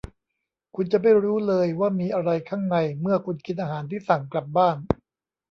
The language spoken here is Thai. คุณจะไม่รู้เลยว่ามีอะไรข้างในเมื่อคุณกินอาหารที่สั่งกลับบ้าน